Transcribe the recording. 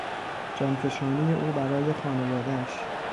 جانفشانی او برای خانوادهاش